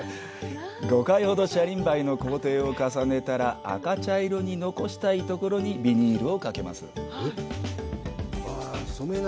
５回ほどシャリンバイの工程を重ねたら赤茶色に残したいところにビニールをかけます。